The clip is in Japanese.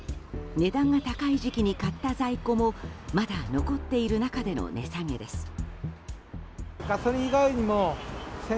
値段が高い時期に買った在庫もまだ残っている中での値下げです。